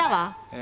え？